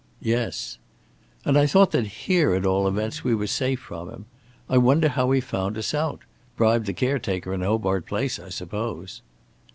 "Yes." "And I thought that here, at all events, we were safe from him. I wonder how he found us out! Bribed the caretaker in Hobart Place, I suppose."